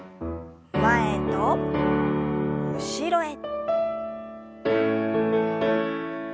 前と後ろへ。